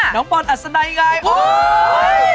น้องพอลอัสนัยใช่ไหม